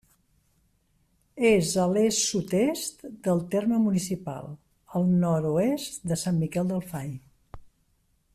És a l'est-sud-est del terme municipal, al nord-oest de Sant Miquel del Fai.